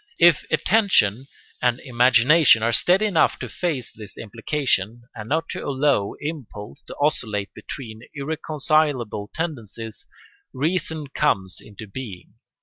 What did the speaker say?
If attention and imagination are steady enough to face this implication and not to allow impulse to oscillate between irreconcilable tendencies, reason comes into being.